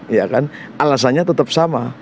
ya kan alasannya tetap sama